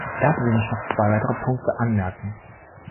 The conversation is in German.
Lassen Sie mich noch zwei weitere Punkte anmerken.